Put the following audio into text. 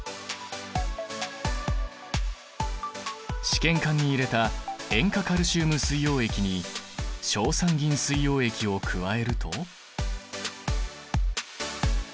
試験管に入れた塩化カルシウム水溶液に硝酸銀水溶液を加えると。